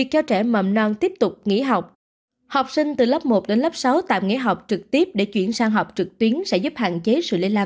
học sinh từ lớp một đến lớp sáu tạm nghỉ học trực tiếp để chuyển sang học trực tuyến sẽ giúp hạn chế sự lây lan